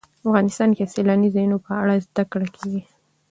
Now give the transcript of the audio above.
افغانستان کې د سیلاني ځایونو په اړه زده کړه کېږي.